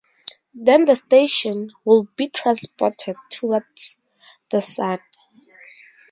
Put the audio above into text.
Then the station would be transported toward the Sun.